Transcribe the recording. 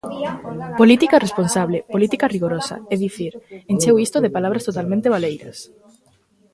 Política responsable, política rigorosa, é dicir, encheu isto de palabras totalmente baleiras.